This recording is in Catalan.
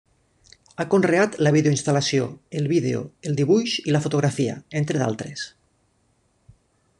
Ha conreat la videoinstal·lació, el vídeo, el dibuix i la fotografia, entre d'altres.